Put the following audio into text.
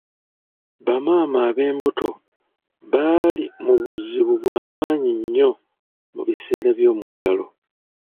Bamaama ab'embuto baali mu buzibu bw'amaanyi nnyo mu biseera by'omuggalo.